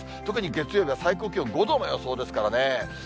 特に月曜日は最高気温５度の予想ですからね。